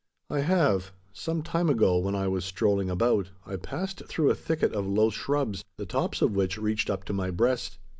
"I have. Some time ago, when I was strolling about, I passed through a thicket of low shrubs the tops of which reached up to my breast.